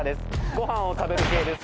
ご飯を食べる系です